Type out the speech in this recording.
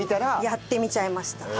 やってみちゃいました。